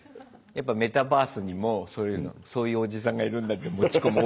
やっぱメタバースにもそういうおじさんがいるんだって持ち込む。